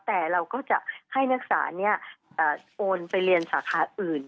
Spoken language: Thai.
แต่เราก็จะให้นักศึกษาโอนไปเรียนสาขาอื่น